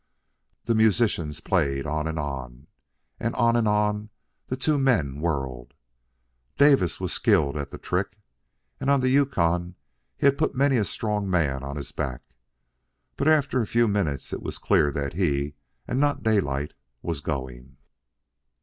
The musicians played on and on, and on and on the two men whirled. Davis was skilled at the trick, and on the Yukon he had put many a strong man on his back. But after a few minutes it was clear that he, and not Daylight, was going.